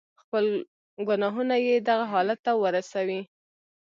خپل گناهونه ئې دغه حالت ته ورسوي.